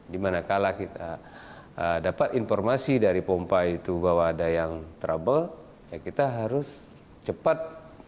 dimana kala kita dapat informasi dari pompa itu bahwa ada yang trouble ya kita harus cepat